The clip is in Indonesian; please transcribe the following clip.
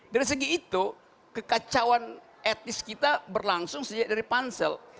dari segi itu kekacauan etis kita berlangsung sejak dari pansel